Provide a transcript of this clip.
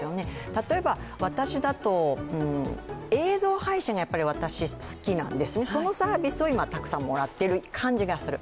例えば私だと、映像配信が好きなんですね、そのサービスをたくさんもらっている感じがする。